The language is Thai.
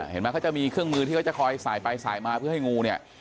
เห็นไหมเขาจะมีเครื่องมือที่เขาจะคอยสายไปสายมาเพื่อให้งูเนี่ย